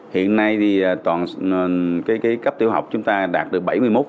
hiện nay thì toàn cấp tiểu học chúng ta đạt được bảy mươi một